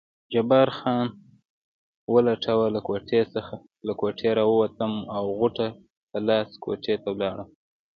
جبار خان ولټوه، له کوټې راووتم او غوټه په لاس کوټې ته ولاړم.